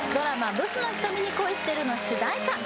「ブスの瞳に恋してる」の主題歌